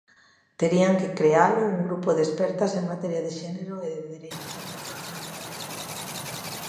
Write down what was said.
Terían que crealo un grupo de expertas en materia de xénero e de dereito.